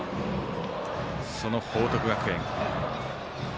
その報徳学園。